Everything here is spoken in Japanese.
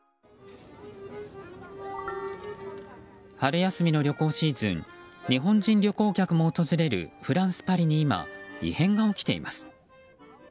春休みの旅行シーズン日本人旅行客も訪れるフランス・パリに今異変が起きています。